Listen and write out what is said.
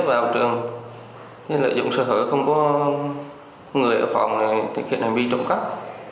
ghé vào trường lợi dụng sở hữu không có người ở phòng này thực hiện hành vi trộm cắt